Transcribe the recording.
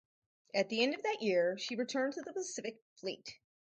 At the end of that year, she returned to the Pacific Fleet.